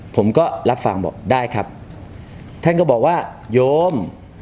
ผมก็รับฟังบอกได้ครับท่านก็บอกว่าโยม